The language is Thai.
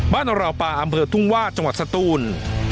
บ้านแร่ลปะอทุ่งว่าจังหวัดสตูน